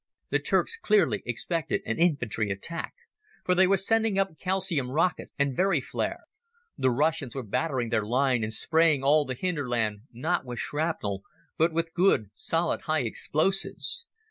The Turks clearly expected an infantry attack, for they were sending up calcium rockets and Very flares. The Russians were battering their line and spraying all the hinterland, not with shrapnel, but with good, solid high explosives.